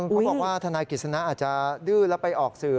เขาบอกว่าทนายกฤษณะอาจจะดื้อแล้วไปออกสื่อ